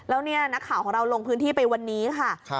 แล้วเนี่ยนักข่าวของเราลงพื้นที่ไปวันนี้ค่ะ